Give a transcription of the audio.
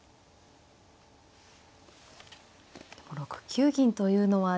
６九銀というのは。